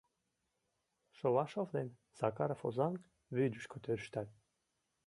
Шовашов ден Сакаров Озаҥ вӱдышкӧ тӧрштат.